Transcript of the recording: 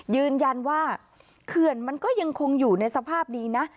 ยืนยันว่าเขื่อนมันก็ยังคงอยู่ในสภาพดีนะ